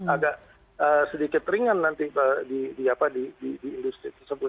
agak sedikit ringan nanti di industri tersebut